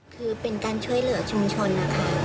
คือเป็นการช่วยเหลือชุมชนนะคะ